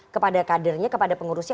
kepada kadernya kepada pengurusnya